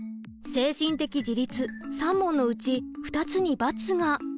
精神的自立３問のうち２つに×が。